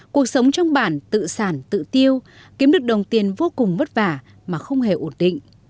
cuộc sống trong bản tự sản tự tiêu kiếm được đồng tiền vô cùng vất vả mà không hề ổn định